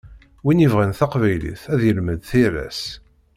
Win yebɣan taqbaylit ad yelmed tira-s.